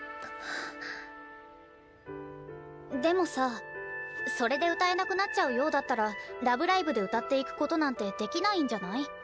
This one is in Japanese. でもさそれで歌えなくなっちゃうようだったら「ラブライブ！」で歌っていくことなんてできないんじゃない？